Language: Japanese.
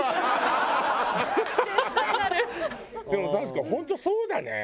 でも確かに本当そうだね。